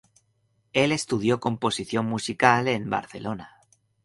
El estudió composición musical en Barcelona.